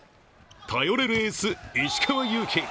頼れるエース・石川祐希。